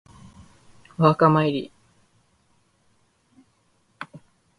お墓参り